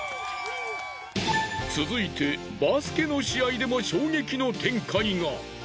続いてバスケの試合でも衝撃の展開が。